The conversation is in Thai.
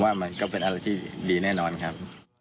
มันก็เป็นอะไรที่ดีแน่นอนครับ